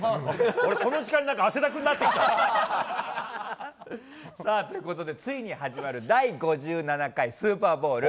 俺、この時間になんか、さあ、ということで、ついに始まる第５７回スーパーボウル。